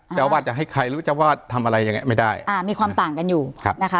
เจ้าวาดจะให้ใครรู้เจ้าวาดทำอะไรอย่างเงี้ไม่ได้อ่ามีความต่างกันอยู่ครับนะคะ